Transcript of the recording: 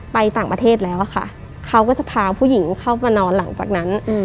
ไปต่างประเทศแล้วอะค่ะเขาก็จะพาผู้หญิงเข้ามานอนหลังจากนั้น